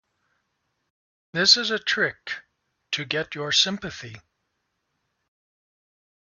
This is a trick to get your sympathy.